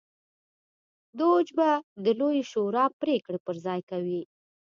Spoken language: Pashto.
دوج به د لویې شورا پرېکړې پر ځای کوي.